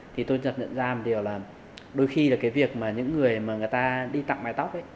thì tôi nhận ra một điều là đôi khi là cái việc mà những người mà người ta đi tặng mái tóc ấy